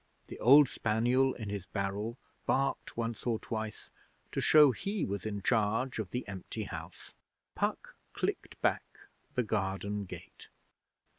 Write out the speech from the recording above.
The old spaniel in his barrel barked once or twice to show he was in charge of the empty house. Puck clicked back the garden gate.